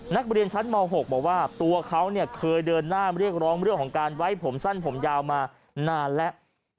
นักเรียนชั้นม๖บอกว่าตัวเขาเนี่ยเคยเดินหน้าเรียกร้องเรื่องของการไว้ผมสั้นผมยาวมานานแล้ว